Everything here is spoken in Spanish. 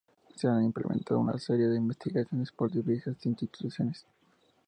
Se han implementado una serie de investigaciones por diversas instituciones.